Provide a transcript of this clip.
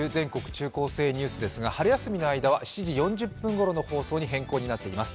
中高生ニュース」ですが春休みの間は７時４０分ごろの放送に変更になっています。